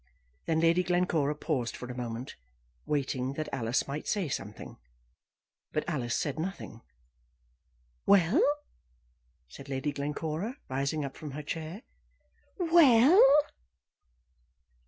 Then Lady Glencora paused for a moment, waiting that Alice might say something. But Alice said nothing. "Well?" said Lady Glencora, rising up from her chair. "Well?"